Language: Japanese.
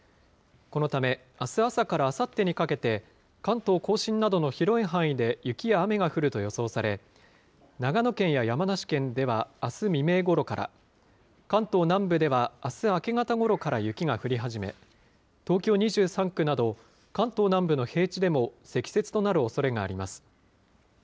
このため、あす朝からあさってにかけて、関東甲信などの広い範囲で雪や雨が降ると予想され、長野県や山梨県では、あす未明ごろから、関東南部ではあす明け方ごろから雪が降り始め、東京２３区など、関東南部の平地でも積雪となるおそれがあります。